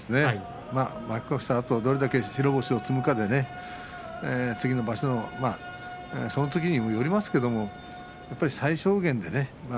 負け越したあとどれだけ白星を積むかでねそのときにもよりますけどやっぱり最小限でね